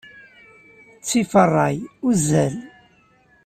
Ttif ṛṛay, uzzal.